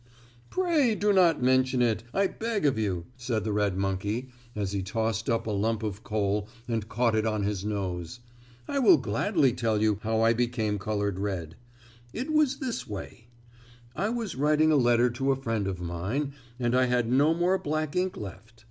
"Pray do not mention it, I beg of you," said the red monkey as he tossed up a lump of coal and caught it on his nose. "I will gladly tell you how I became colored red. It was this way: I was writing a letter to a friend of mine and I had no more black ink left.